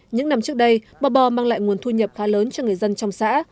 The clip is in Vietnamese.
những năm trước đây bò bò mang lại nguồn thu nhập khá lớn cho người dân trong xã